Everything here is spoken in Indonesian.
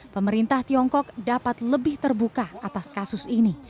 pemerintah tiongkok dapat lebih terbuka atas kasus ini